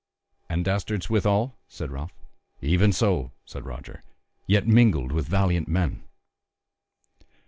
"And dastards withal?" said Ralph. "Even so," said Roger, "yet mingled with valiant men.